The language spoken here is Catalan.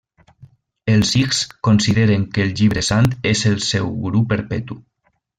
Els sikhs consideren que el llibre sant és el seu guru perpetu.